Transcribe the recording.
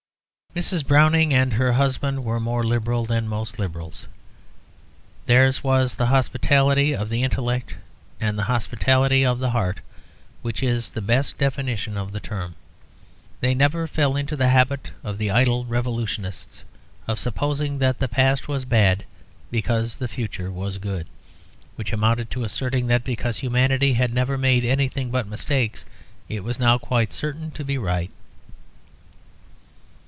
Mrs. Browning and her husband were more liberal than most Liberals. Theirs was the hospitality of the intellect and the hospitality of the heart, which is the best definition of the term. They never fell into the habit of the idle revolutionists of supposing that the past was bad because the future was good, which amounted to asserting that because humanity had never made anything but mistakes it was now quite certain to be right.